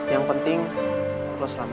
yang penting lo selamat